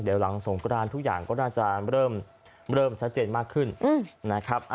เดี๋ยวหลังสงกรานทุกอย่างก็น่าจะเริ่มชัดเจนมากขึ้นนะครับ